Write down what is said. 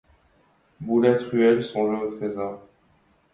Boulatruelle songea au trésor.